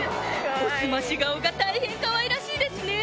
おすまし顔が大変かわいらしいですね。